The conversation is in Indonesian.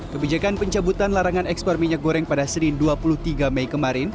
kebijakan pencabutan larangan ekspor minyak goreng pada senin dua puluh tiga mei kemarin